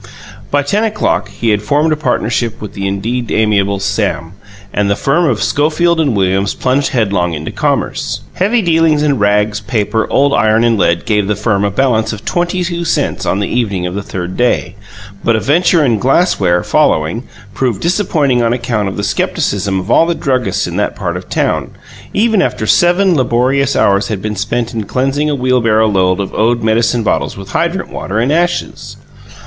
By ten o'clock he had formed a partnership with the indeed amiable Sam, and the firm of Schofield and Williams plunged headlong into commerce. Heavy dealings in rags, paper, old iron and lead gave the firm a balance of twenty two cents on the evening of the third day; but a venture in glassware, following, proved disappointing on account of the scepticism of all the druggists in that part of town, even after seven laborious hours had been spent in cleansing a wheelbarrow load of old medicine bottles with hydrant water and ashes.